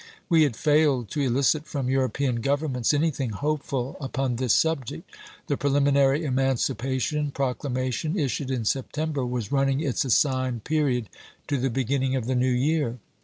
We had failed to elicit from European governments anything hopeful upon this subject. The preliminary emancipation procla mation, issued in September, was running its assigned period to the beginning of the new year.